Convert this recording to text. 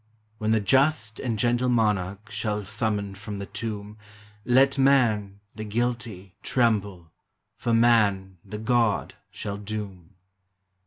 When the just and gentle Monarch Shall summon from the tomb, Let man, the guilty, tremble, For Man, the God, shall doom